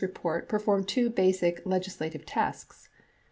(XXIII) XXIV report perform two basic legislative tasks.